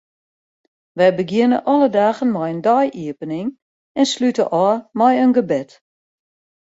Wy begjinne alle dagen mei in dei-iepening en slute ôf mei in gebed.